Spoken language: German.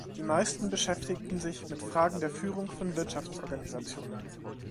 Die meisten beschäftigen sich mit Fragen der Führung von Wirtschaftsorganisationen.